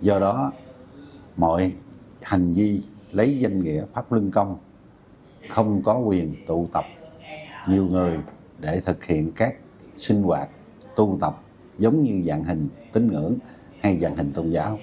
do đó mọi hành vi lấy danh nghĩa pháp lưng công không có quyền tụ tập nhiều người để thực hiện các sinh hoạt tôn tập giống như dạng hình tính ngưỡng hay dạng hình tôn giáo